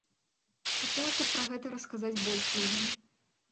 Хацелася б пра гэта расказаць больш людзям.